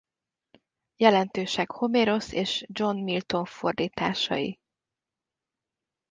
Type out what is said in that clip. Jelentősek Homérosz és John Milton fordításai.